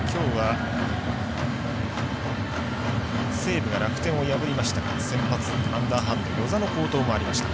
きょうは、西武が楽天を破りましたが先発、アンダーハンド與座の好投もありました。